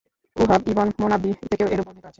ওহব ibn Munabbih থেকেও এরূপ বর্ণিত আছে।